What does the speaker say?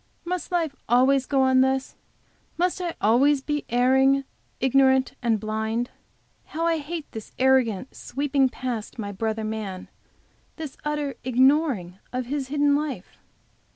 Must life always go on thus? Must I always be erring, ignorant and blind? How I hate this arrogant sweeping past my brother man; this utter ignoring of his hidden life?